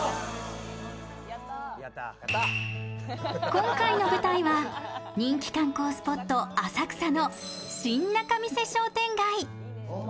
今回の舞台は人気観光スポット、浅草の新仲見世商店街。